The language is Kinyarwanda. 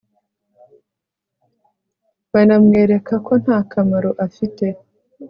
banamwereka ko nta kamaro afite